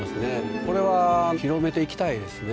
これは広めていきたいですね